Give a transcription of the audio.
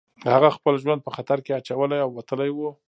هغه خپل ژوند په خطر کې اچولی او وتلی و